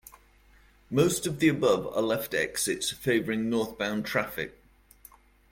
Most of the above are left exits favoring northbound traffic.